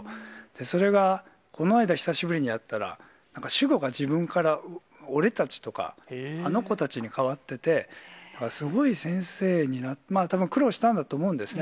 それが、この間久しぶりに会ったら、なんか主語が自分から、俺たちとか、あの子たちに変わってて、すごい先生に、たぶん苦労したと思うんですね。